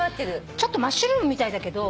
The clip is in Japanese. ちょっとマッシュルームみたいだけど。